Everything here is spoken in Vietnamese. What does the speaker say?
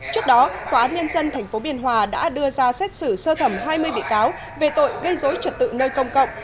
trước đó tòa án nhân dân tp biên hòa đã đưa ra xét xử sơ thẩm hai mươi bị cáo về tội gây dối trật tự nơi công cộng